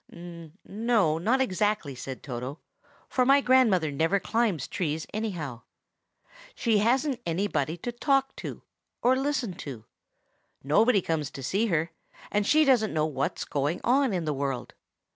"N no, not exactly," said Toto, "for my grandmother never climbs trees, anyhow. She hasn't anybody to talk to, or listen to; nobody comes to see her, and she doesn't know what is going on in the world.